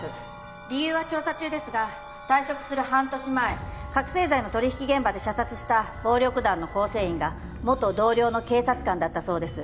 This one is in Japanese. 理由は調査中ですが退職する半年前覚醒剤の取引現場で射殺した暴力団の構成員が元同僚の警察官だったそうです。